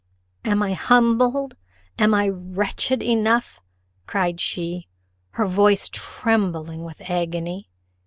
"Am I humbled, am I wretched enough?" cried she, her voice trembling with agony.